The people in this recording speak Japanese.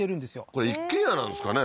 これ一軒家なんですかね？